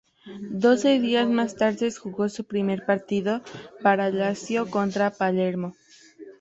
Doce días más tarde, jugó su primer partido para Lazio contra Palermo.